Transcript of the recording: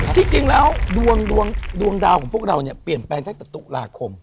ที่จริงแล้วดวงดาวของพวกเราเนี่ยเปลี่ยนแปลงตั้งแต่ตุลาคม